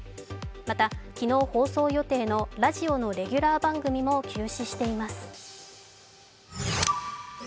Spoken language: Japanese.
また、昨日放送予定のラジオのレギュラー番組も休止しています。